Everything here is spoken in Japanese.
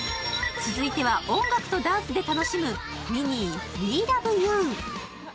続いては音楽とダンスで楽しむ「ミニー、ウィー・ラブ・ユー！」。